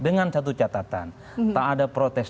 dengan satu catatan tak ada protes